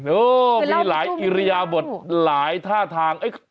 โอ้โฮมีหลายอิริยาหมดหลายท่าทาง